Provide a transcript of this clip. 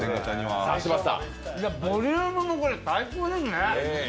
ボリュームもこれ最高ですね。